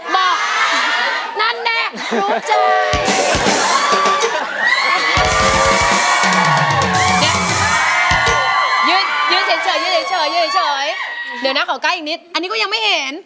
บอกนั่นแหละ